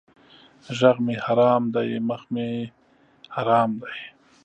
ږغ مې حرام دی مخ مې حرام دی!